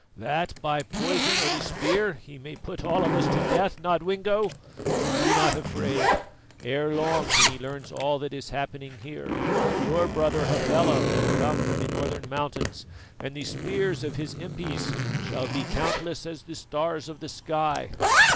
"That by poison or the spear he may put all of us to death, Nodwengo! Be not afraid; ere long when he learns all that is happening here, your brother Hafela will come from the northern mountains, and the spears of his impis shall be countless as the stars of the sky.